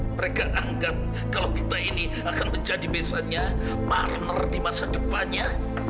mereka anggap kalau kita ini akan menjadi biasanya partner di masa depannya